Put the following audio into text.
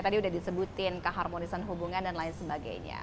tadi udah disebutin keharmonisan hubungan dan lain sebagainya